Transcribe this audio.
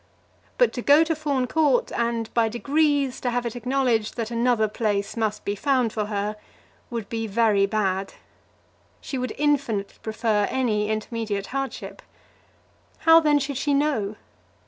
But to go to Fawn Court, and, by degrees, to have it acknowledged that another place must be found for her, would be very bad. She would infinitely prefer any intermediate hardship. How, then, should she know?